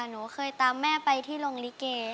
หนูเคยตามแม่ไปที่โรงลิเก